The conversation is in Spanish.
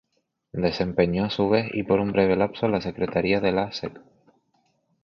Desempeñó a su vez y por un breve lapso la secretaría de la Secc.